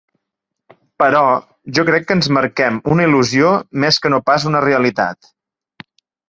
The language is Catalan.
Però jo crec que ens marquem una il·lusió més que no pas una realitat.